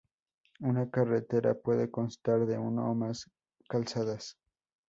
Una carretera puede constar de uno o más calzadas.